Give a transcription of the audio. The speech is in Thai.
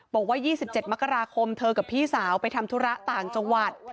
บอกว่า๒๗มกราคมเธอกับพี่สาวไปทำธุระต่างจังหวัด